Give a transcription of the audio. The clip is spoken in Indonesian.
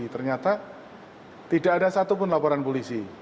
ternyata tidak ada satupun laporan polisi